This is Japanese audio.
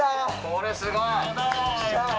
これすごい！